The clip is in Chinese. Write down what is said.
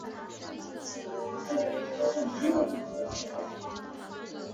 他的作品也全部被禁。